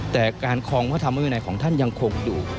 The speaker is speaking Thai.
แต่การคลองพระธรรมวินัยของท่านยังคงอยู่